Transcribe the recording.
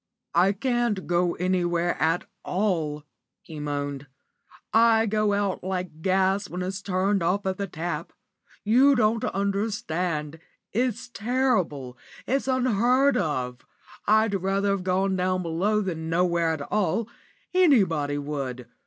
"I can't go anywhere at all," he moaned; "I go out like gas when it's turned off at the tap. You don't understand it's terrible, it's unheard of. I'd rather have gone down below than nowhere at all anybody would.